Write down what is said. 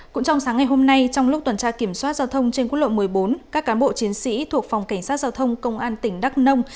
cũng trong sáng ngày hôm nay trong lúc tuần tra kiểm soát giao thông trên quốc lộ một mươi bốn các cán bộ chiến sĩ thuộc phòng cảnh sát giao thông công an tỉnh đắk nông